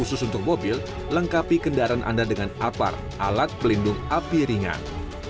khusus untuk mobil lengkapi kendaraan anda dengan apar alat pelindung api ringan